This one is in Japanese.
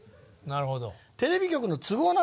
なるほど。